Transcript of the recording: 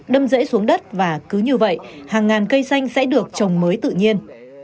đâm rễ xuống đất và cứ như vậy hàng ngàn cây xanh sẽ được trồng mới tự nhiên